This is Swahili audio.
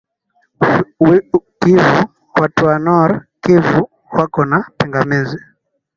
kivu watu wa nor kivu wako na pingamizi